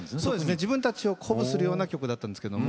自分たちを鼓舞する曲だったんですね。